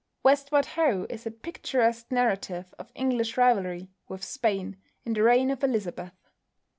"Westward Ho!" is a picturesque narrative of English rivalry with Spain in the reign of Elizabeth.